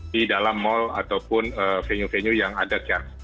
di dalam mall ataupun venue venue yang ada sekarang